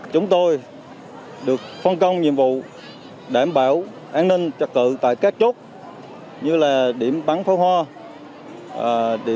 chúng tôi được phân công nhiệm vụ đảm bảo an ninh trật tự tại các chốt như là điểm bắn pháo hoa